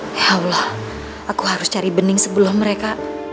ya allah aku harus cari bening sebelum mereka